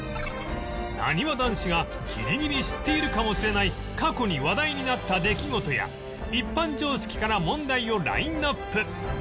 なにわ男子がギリギリ知っているかもしれない過去に話題になった出来事や一般常識から問題をラインアップ